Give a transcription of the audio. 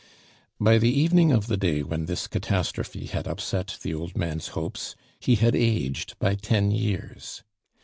By the evening of the day when this catastrophe had upset the old man's hopes he had aged by ten years.